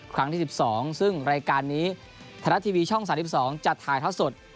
ครั้งที่สิบสองซึ่งรายการนี้ธนาทีวีช่องสายสิบสองจะถ่ายท้าสด